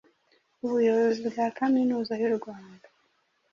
ubuyobozi bwa Kaminuza y’u Rwanda